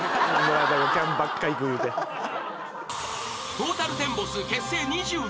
［トータルテンボス結成２５周年］